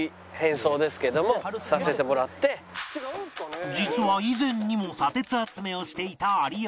実は以前にも砂鉄集めをしていた有吉